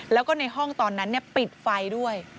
แล้วก็ในห้องตอนนั้นปิดไฟด้วย